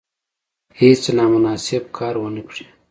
هیڅ نامناسب کار ونه کړي.